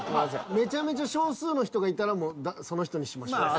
めちゃめちゃ少数の人がいたらその人にしましょう。